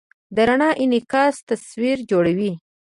د رڼا انعکاس تصویر جوړوي.